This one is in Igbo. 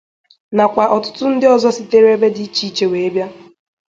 nakwa ọtụtụ ndị ọzọ sitere ebe dị iche iche wee bịa.